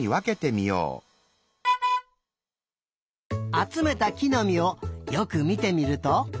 あつめたきのみをよくみてみると。